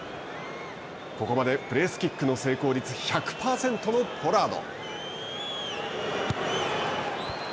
ここまでプレースキックの成功率１００％のポラード。